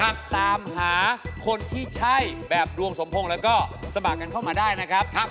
ตามหาคนที่ใช่แบบดวงสมพงษ์แล้วก็สมัครกันเข้ามาได้นะครับ